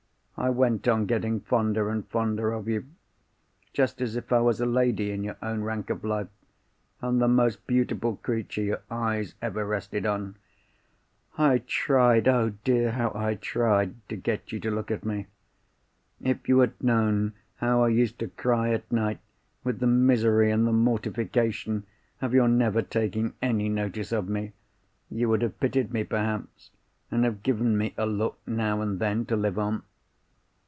I went on getting fonder and fonder of you, just as if I was a lady in your own rank of life, and the most beautiful creature your eyes ever rested on. I tried—oh, dear, how I tried—to get you to look at me. If you had known how I used to cry at night with the misery and the mortification of your never taking any notice of me, you would have pitied me perhaps, and have given me a look now and then to live on.